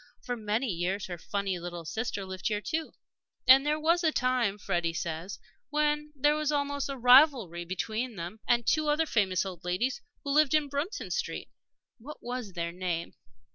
For many years her funny little sister lived here, too. And there was a time, Freddie says, when there was almost a rivalry between them and two other famous old ladies who lived in Bruton Street what was their name?